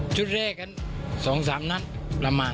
ชุดแรกนั้น๒๓นัดประมาณ